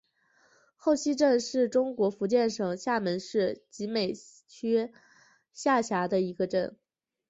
后溪镇是中国福建省厦门市集美区下辖的一个镇。